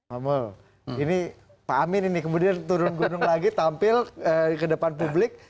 amul ini pak amin ini kemudian turun gunung lagi tampil ke depan publik